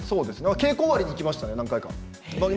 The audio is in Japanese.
稽古終わりに行きましたね何回か。